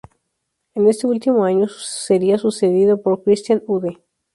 En este último año sería sucedido por Christian Ude.